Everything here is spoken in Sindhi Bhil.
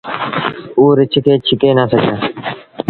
او رڇ کي ڇڪي نآ سگھيآ۔